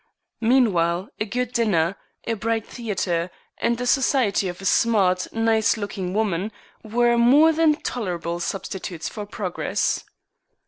Meanwhile a good dinner, a bright theatre, and the society of a smart, nice looking woman, were more than tolerable substitutes for progress.